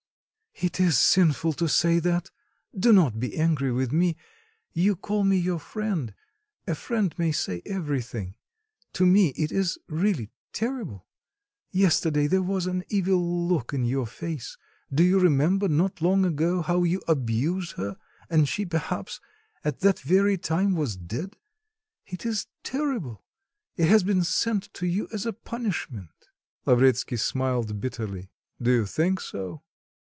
"It is sinful to say that. Do not be angry with me. You call me your friend: a friend may say everything. To me it is really terrible.... Yesterday there was an evil look in your face.... Do you remember not long ago how you abused her, and she, perhaps, at that very time was dead? It is terrible. It has been sent to you as a punishment." Lavretsky smiled bitterly. "Do you think so?